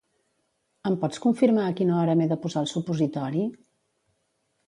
Em pots confirmar a quina hora m'he de posar el supositori?